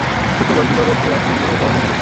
শুক্রবার দিবাগত রাত্রে বিবাহ পড়ানো হবে।